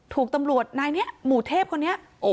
ถูกตำรวจนายนี้หมู่เทพคนนี้